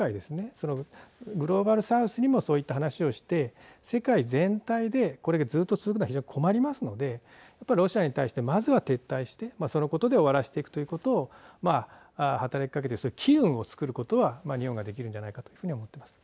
そのグローバルサウスにもそういった話をして世界全体でこれがずっと続くなら非常に困りますのでロシアに対して、まずは撤退してそのことで終わらせていくということを働きかけて機運を作ることは日本ができるんじゃないかはい。